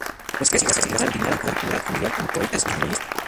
Las tres hijas continuaron con la actividad familiar como poetas y novelistas.